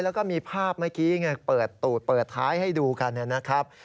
แล้วก็มีภาพเมื่อกี้ไงเปิดตูดเปิดท้ายให้ดูกันนะครับ